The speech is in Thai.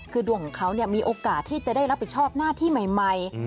คือดวงของเขามีโอกาสที่จะได้รับผิดชอบหน้าที่ใหม่